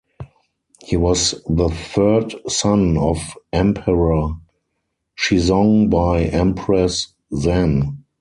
He was the third son of Emperor Shizong by Empress Zhen.